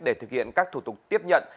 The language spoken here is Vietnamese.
để thực hiện các thủ tục tiếp nhận